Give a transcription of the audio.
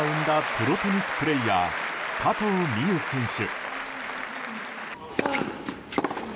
プロテニスプレーヤー加藤未唯選手。